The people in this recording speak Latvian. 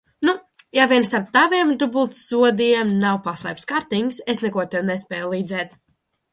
Nu, ja vien starp taviem dubultzodiem nav paslēpts kartings, es neko tev nespēju līdzēt!